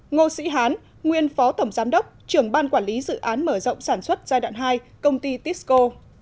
ngô sĩ hán nguyên phó tổng giám đốc trưởng ban quản lý dự án mở rộng sản xuất giai đoạn hai công ty tisco